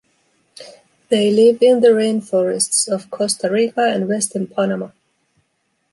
They live in the rainforests of Costa Rica and western Panama.